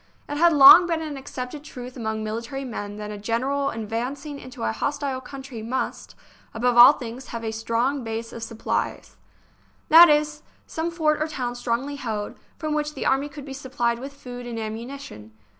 It had long been an accepted truth among military men that a general advancing into a hostile country must, above all things, have a strong " base of sup plies "; that is, some fort or town strongly held, from which the army could be supplied with food and ammunition.